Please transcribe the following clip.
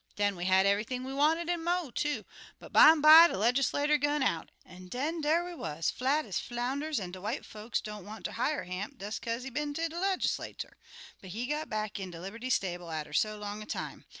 Den we had eve'ything we wanted, an' mo' too, but bimeby de Legislatur' gun out, an' den dar we wuz, flat ez flounders, an' de white folks don't want ter hire Hamp des kaze he been ter de Legislatur'; but he got back in de liberty stable atter so long a time.